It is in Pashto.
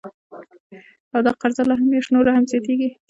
او دا قرضه لا هره میاشت نوره هم زیاتیږي